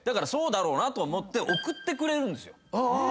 そうだろうなと思って送ってくれるんですよ。